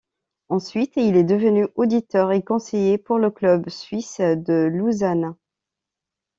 Ensuite, il est devenu auditeur et conseiller pour le club suisse de Lausanne.